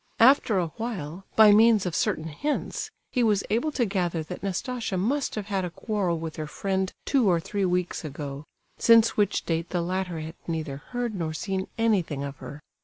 After a while, by means of certain hints, he was able to gather that Nastasia must have had a quarrel with her friend two or three weeks ago, since which date the latter had neither heard nor seen anything of her.